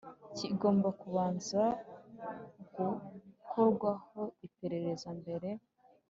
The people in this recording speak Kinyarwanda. kigomba kubanza gukorwaho iperereza mbere